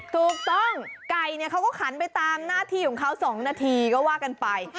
ถูกต้องไก่เขาก็ขันไปตามหน้าที่ของเขา๒นาทีก็ว่ากันไป